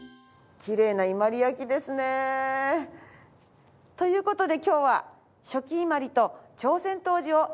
きれいな伊万里焼ですね。という事で今日は初期伊万里と朝鮮陶磁を楽しみます。